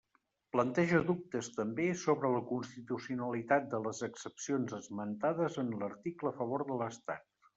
Planteja dubtes, també, sobre la constitucionalitat de les excepcions esmentades en l'article a favor de l'Estat.